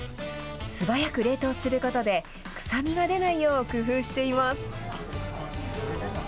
素早く冷凍することで、臭みが出ないよう工夫しています。